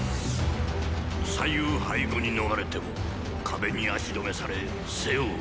左右背後に逃れても壁に足留めされ背を討たれる。